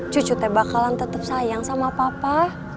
cucu teh bakalan tetep sayang sama papa